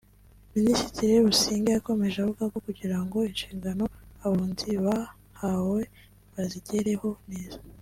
Minisitiri Busingye yakomeje avuga ko kugira ngo inshingano abunzi bahawe bazigereho neza